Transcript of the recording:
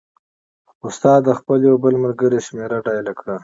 استاد د خپل یو بل ملګري شمېره ډایله کړه.